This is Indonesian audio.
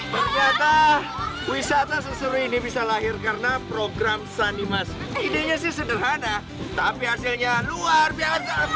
berkata wisata sesuai ini bisa lahir karena program sanimas